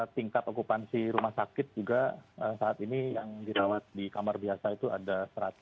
tingkat okupansi rumah sakit juga saat ini yang dirawat di kamar biasa itu ada satu satu ratus delapan puluh lima